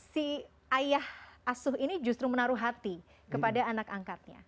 si ayah asuh ini justru menaruh hati kepada anak angkatnya